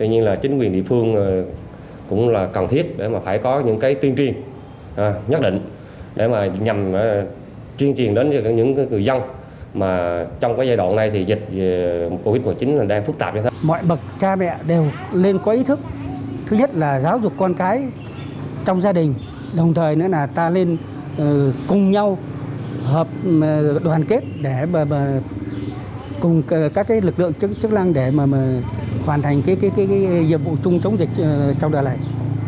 hợp đoàn kết để cùng các lực lượng chức năng để hoàn thành dịch vụ chống dịch trong đời này